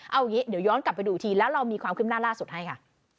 เอาอย่างนี้เดี๋ยวย้อนกลับไปดูอีกทีแล้วเรามีความขึ้นหน้าล่าสุดให้ค่ะ